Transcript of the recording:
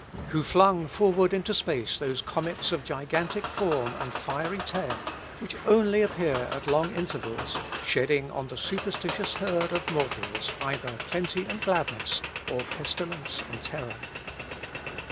Who flung forward into space those comets of gigantic form and fiery tail, which only appear at long intervals, shedding on the superstitious herd of mortals either plenty and gladness, or pestilence and terror?